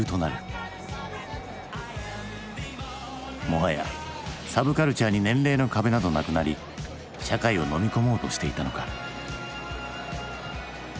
もはやサブカルチャーに年齢の壁などなくなり社会をのみ込もうとしていたのか。